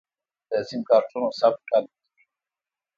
د سم کارتونو ثبت قانوني دی؟